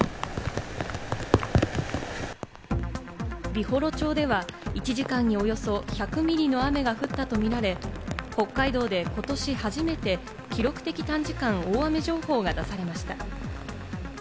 美幌町では１時間におよそ１００ミリの雨が降ったとみられ、北海道でことし初めて記録的短時間大雨情報が出されました。